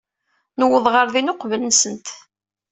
Nuweḍ ɣer din uqbel-nsent.